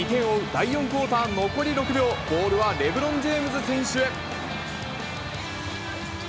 第４クオーター残り６秒、ボールはレブロン・ジェームズ選手へ。